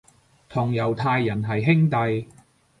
同猶太人係兄弟